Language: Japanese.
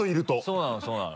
そうなのそうなの。